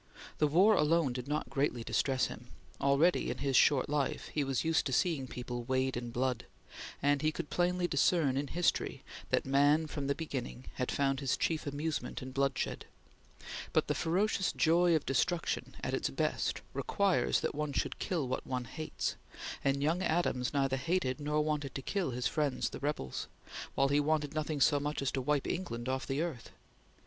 The war alone did not greatly distress him; already in his short life he was used to seeing people wade in blood, and he could plainly discern in history, that man from the beginning had found his chief amusement in bloodshed; but the ferocious joy of destruction at its best requires that one should kill what one hates, and young Adams neither hated nor wanted to kill his friends the rebels, while he wanted nothing so much as to wipe England off the earth.